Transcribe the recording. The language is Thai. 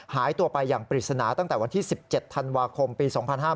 หายตัวไปอย่างปริศนาตั้งแต่วันที่๑๗ธันวาคมปี๒๕๕๙